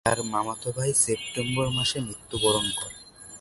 তার মামাতো ভাই সেপ্টেম্বর মাসে মৃত্যুবরণ করে।